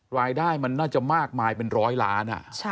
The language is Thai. รายได้มันน่าจะมากมายเป็นร้อยล้าน